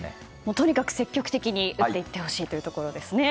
とにかく積極的に打っていってほしいところですね。